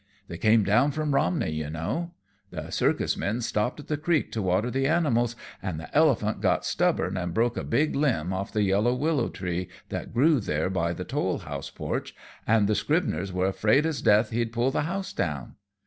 They came down from Romney, you know. The circus men stopped at the creek to water the animals, an' the elephant got stubborn an' broke a big limb off the yellow willow tree that grew there by the toll house porch, an' the Scribners were 'fraid as death he'd pull the house down.